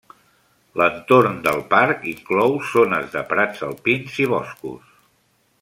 L'entorn del parc inclou zones de prats alpins i boscos.